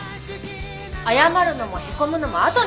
謝るのもへこむのもあとにしな。